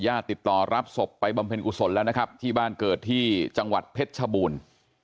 ติดต่อรับศพไปบำเพ็ญกุศลแล้วนะครับที่บ้านเกิดที่จังหวัดเพชรชบูรณ์